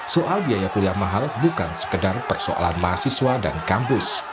soal biaya kuliah mahal bukan sekedar persoalan mahasiswa dan kampus